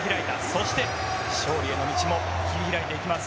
そして、勝利への道も切り開いていきます。